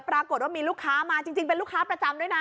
ปรากฏว่ามีลูกค้ามาจริงเป็นลูกค้าประจำด้วยนะ